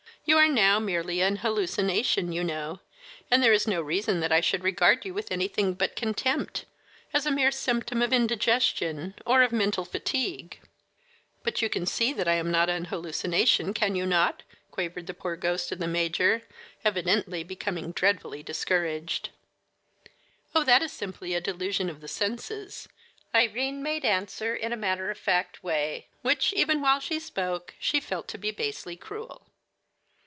You are now merely an hallucination, you know, and there is no reason that I should regard you with anything but contempt, as a mere symptom of indigestion or of mental fatigue." "But you can see that I am not an hallucination, can you not?" quavered the poor ghost of the major, evidently becoming dreadfully discouraged. "Oh, that is simply a delusion of the senses," Irene made answer in a matter of fact way, which, even while she spoke, she felt to be basely cruel.